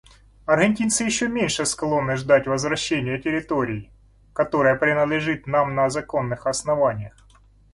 Аргентинцы еще меньше склонны ждать возвращения территории, которая принадлежат нам на законных основаниях.